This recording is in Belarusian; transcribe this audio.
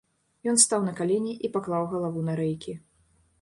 Ён стаў на калені і паклаў галаву на рэйкі.